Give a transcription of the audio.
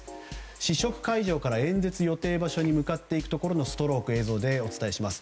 試食会場から演説予定場所に行くところのストローク映像でお伝えします。